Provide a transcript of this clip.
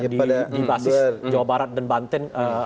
di basis jawa barat dan banten